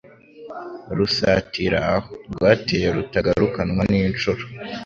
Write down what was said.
Rusatira aho twateyeRutagarukanwa n' inshuro.